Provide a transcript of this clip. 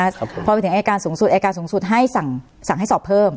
พอไปถึงอายการสูงสุดอายการสูงสุดให้สั่งให้สอบเพิ่ม